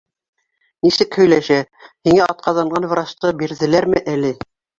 Нисек һөйләшә: «һиңә атҡаҙанған врачты бирҙеләрме әле?»